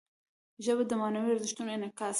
ژبه د معنوي ارزښتونو انعکاس دی